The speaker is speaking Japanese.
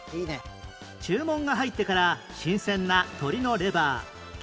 注文が入ってから新鮮な鶏のレバーきんかん